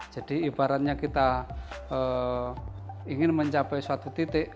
jadi ibaratnya kita ingin mencapai suatu titik